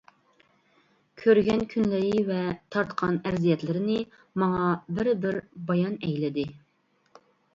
كۆرگەن كۈنلىرى ۋە تارتقان ئەرزىيەتلىرىنى ماڭا بىر-بىر بايان ئەيلىدى.